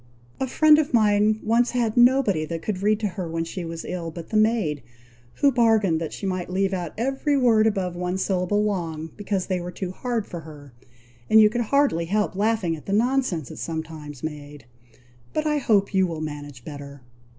A friend of mine once had nobody that could read to her when she was ill, but the maid, who bargained that she might leave out every word above one syllable long, because they were too hard for her; and you could hardly help laughing at the nonsense it sometimes made; but I hope you will manage better."